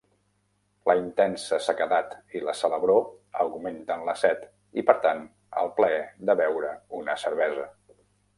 La intensa sequedat i la salabror augmenten la set i, per tant, el plaer de beure una cervesa.